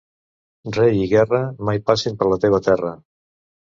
Rei i guerra, mai passin per la teva terra.